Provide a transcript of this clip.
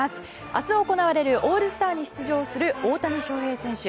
明日行われるオールスターに出場する大谷翔平選手。